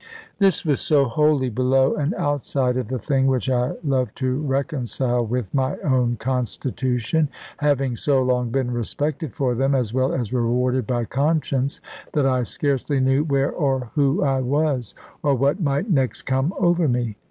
This was so wholly below and outside of the thing which I love to reconcile with my own constitution (having so long been respected for them, as well as rewarded by conscience), that I scarcely knew where or who I was, or what might next come over me.